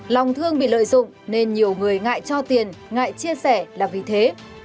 lòng thương bị lợi dụng nên nhiều người ngại cho tiền ngại chia sẻ là vì thế